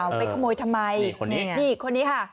เออไปขโมยทำไมนี่คนนี้ค่ะนี่คนนี้ค่ะ